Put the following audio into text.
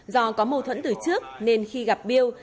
do có mâu thuẫn từ trước nên khi gặp biêu